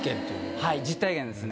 はい実体験ですね。